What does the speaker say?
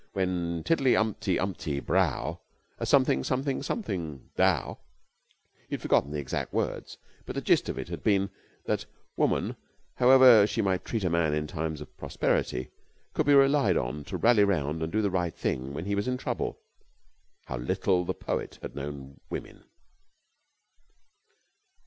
When tiddly umpty umpty brow, A something, something, something, thou!" He had forgotten the exact words, but the gist of it had been that woman, however she might treat a man in times of prosperity, could be relied on to rally round and do the right thing when he was in trouble. How little the poet had known women.